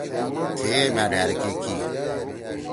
تھِئے مھأ ڈھأر کے کی۔